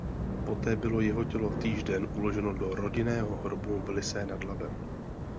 Poté bylo jeho tělo týž den uloženo do rodinného hrobu v Lysé nad Labem.